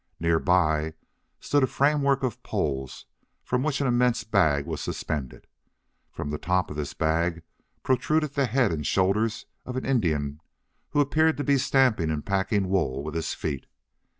Near by stood a framework of poles from which an immense bag was suspended. From the top of this bag protruded the head and shoulders of an Indian who appeared to be stamping and packing wool with his feet.